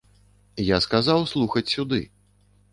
Я сказаў слухаць сюды.